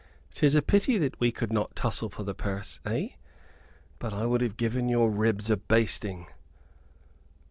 "'Tis a pity that we could not tussle for the purse, eh? but I would have given your ribs a basting."